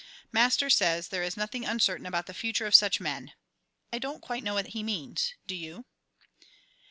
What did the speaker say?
Master says there is nothing uncertain about the future of such men. I don't quite know what he means, do you?